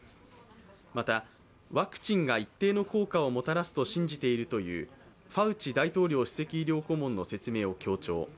またワクチンが一定の効果をもたらすと信じているというファウチ大統領首席医療顧問の説明を強調。